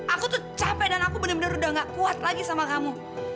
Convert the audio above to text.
aku tuh capek dan aku bener bener udah gak kuat lagi sama kamu